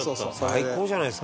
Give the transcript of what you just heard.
「最高じゃないですか」